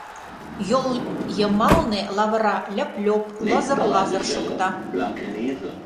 Йол йымалне лавыра льып-льоп, лызыр-лазыр шокта.